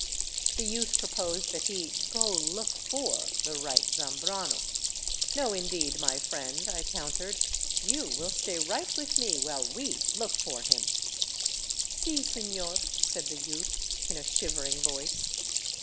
The youth proposed that he " go look for " the right Zambrano. " No, indeed, my friend," I countered. " You will stay right with me while we look for him." " Si, sefior," said the youth in a shivering voice.